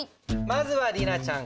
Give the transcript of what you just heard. まずは莉奈ちゃん。